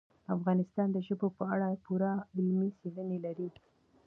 افغانستان د ژبو په اړه پوره علمي څېړنې لري.